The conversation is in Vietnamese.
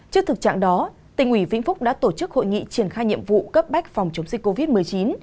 trước thực trạng đó tỉnh ủy vĩnh phúc đã tổ chức hội nghị triển khai nhiệm vụ cấp bách phòng chống dịch covid một mươi chín